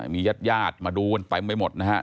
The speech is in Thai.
มีญาติมาดูไปไปหมดนะครับ